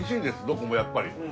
どこもやっぱり。